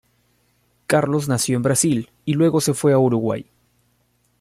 Carlos nació en Brasil y luego se fue a Uruguay.